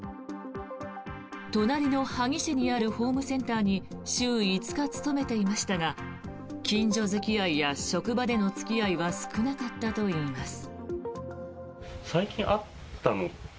隣の萩市にあるホームセンターに週５日勤めていましたが近所付き合いや職場での付き合いは少なかったといいます。